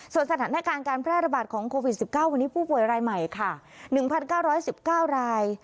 สถานการณ์การแพร่ระบาดของโควิด๑๙วันนี้ผู้ป่วยรายใหม่ค่ะ๑๙๑๙ราย